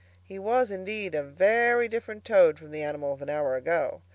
He was, indeed, a very different Toad from the animal of an hour ago.